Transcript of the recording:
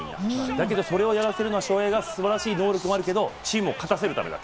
でも、それをやらせるのは翔平に素晴らしい能力もあるけれども、チームを勝たせるためだ。